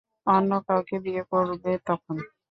অন্য কাউকে বিয়ে করবে তখন।